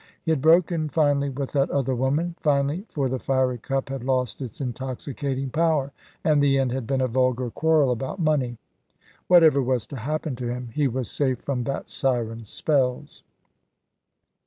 He had broken finally with that other woman: finally, for the fiery cup had lost its intoxicating power, and the end had been a vulgar quarrel about money. Whatever was to happen to him, he was safe from that siren's spells.